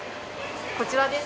こちらです。